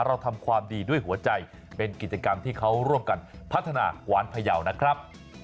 เราทำความดีด้วยหัวใจเป็นกิจกรรมที่เขาร่วมกันพัฒนากวานพยาวนะครับ